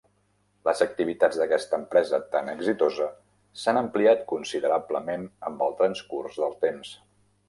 Les activitats d"aquesta empresa tan exitosa s"han ampliat considerablement amb el transcurs del temps.